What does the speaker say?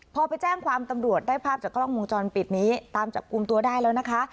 พอไปแจ้งความตำรวจได้ภาพจากกล้องวงจรปิดนี้ตามจับกลุ่มตัวได้แล้วนะคะ